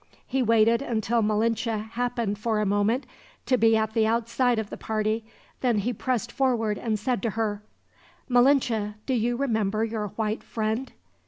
He waited until Malinche happened, for a moment, to be at the outside of the party, then he pressed forward and said to her: "Malinche, do you remember your white friend?"